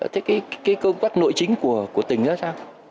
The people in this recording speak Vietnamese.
thế cái cơ quan nội chính của tỉnh ra sao